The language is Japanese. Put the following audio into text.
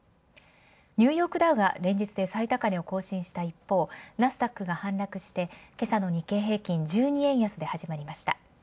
ニューヨークダウが連日で最高値を更新した一方、ナスダックが反落して今朝の日経平均１２円安で始まりました。